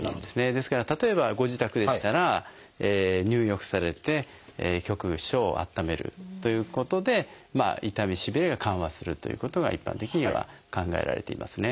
ですから例えばご自宅でしたら入浴されて局所を温めるということで痛みしびれは緩和するということが一般的には考えられていますね。